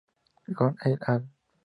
Gong et al.